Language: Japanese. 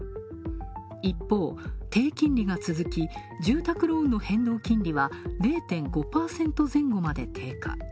一方、低金利が続き住宅ローンの変動金利は０．５％前後まで低下